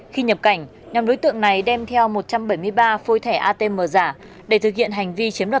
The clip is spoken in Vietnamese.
khi nhập cảnh nhóm đối tượng này đem theo